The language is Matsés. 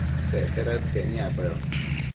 Secte daëd caic niacpayoc